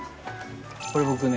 これ僕ね